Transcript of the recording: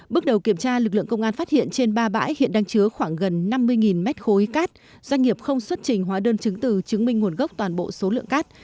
bước đầu kiểm tra lực lượng công an phát hiện trên ba bãi hiện đang chứa khoảng gần năm mươi mét khối cát doanh nghiệp không xuất trình hóa đơn chứng từ chứng minh nguồn gốc toàn bộ số lượng cát